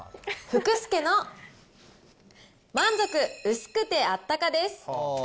福助の満足うすくてあったかです。